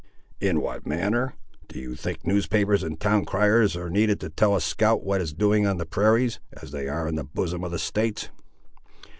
"In what manner! Do you think newspapers and town criers are needed to tell a scout what is doing on the prairies, as they are in the bosom of the States?